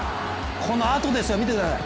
このあとですよ、見てください。